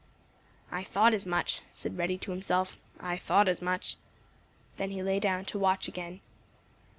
"I thought as much," said Reddy to himself. "I thought as much." Then he lay down to watch again.